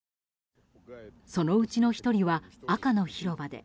そのうちの１人は赤の広場で。